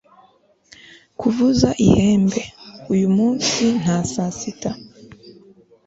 kuvuza ihembe. uyu munsi nta sasita